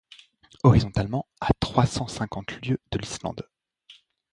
Horizontalement, à trois cent cinquante lieues de l’Islande.